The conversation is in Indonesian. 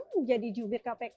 menjadi jubir kpk